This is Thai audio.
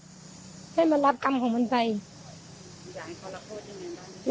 อยากให้เขารับโทษอย่างนั้นบ้าง